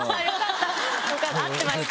合ってました。